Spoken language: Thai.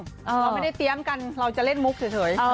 เราไม่ได้เตรียมกันเราจะเล่นมุกเฉย